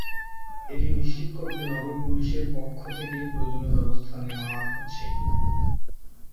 এটি নিশ্চিত করতে নগর পুলিশের পক্ষ থেকে প্রয়োজনীয় ব্যবস্থা নেওয়া হচ্ছে।